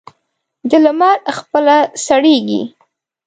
د لمر خپله سړېږي.